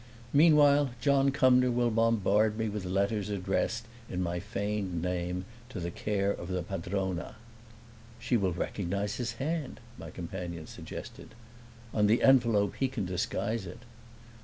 Meanwhile, John Cumnor will bombard me with letters addressed, in my feigned name, to the care of the padrona." "She will recognize his hand," my companion suggested. "On the envelope he can disguise it."